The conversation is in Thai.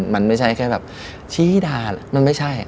มันไม่ใช่แค่แบบชี้ด่ามันไม่ใช่